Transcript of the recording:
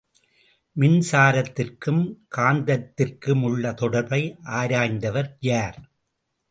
மின்சாரத்திற்கும் காந்தத்திற்குமுள்ள தொடர்பை ஆராய்ந்தவர் யார்?